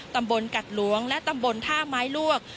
ตำบลกัดหลวงและตำบลท่าไม้ลวก